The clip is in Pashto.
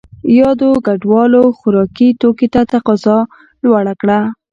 یادو کډوالو خوراکي توکو ته تقاضا لوړه کړه.